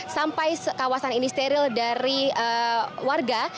sampai kawasan ini steril dari warga